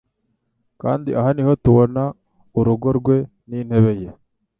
kandi aha niho tubona urugo rwe n'intebe ye